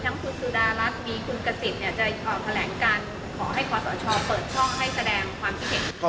มีทั้งคุณสุดารัฐมีคุณกษิตรจะแขลงการขอให้ขอสรชอบ